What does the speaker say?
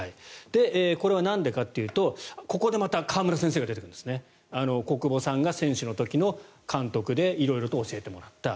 これは何でかっていうとここで川村先生が出てくるんですが国保さんが選手の時の監督で色々と教えてもらった。